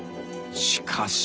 しかし。